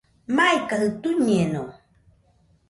Maikajɨ tuiñeno